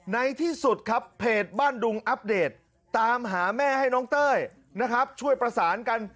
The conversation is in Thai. ในที่สุดครับเพจบ้านดุงอัปเดตตามหาแม่ให้น้องเต้ยนะครับช่วยประสานกัน